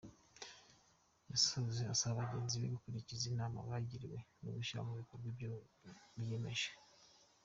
Yasoje asaba bagenzi be gukurikiza inama bagiriwe no gushyira mu bikorwa ibyo biyemeje.